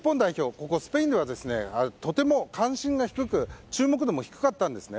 ここスペインではとても関心が低くて注目度も低かったんですね。